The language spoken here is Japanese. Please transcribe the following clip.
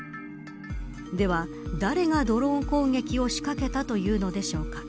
では誰がドローン攻撃を仕掛けたというのでしょうか。